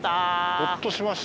ほっとしました。